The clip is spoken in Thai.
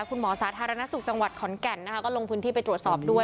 สาธารณสุขจังหวัดขอนแก่นนะคะก็ลงพื้นที่ไปตรวจสอบด้วย